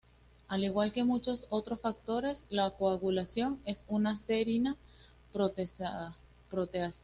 Al igual que muchos otros factores de coagulación, es una serina proteasa.